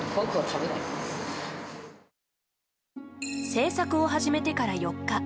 制作を始めてから４日。